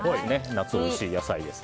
夏おいしい野菜です。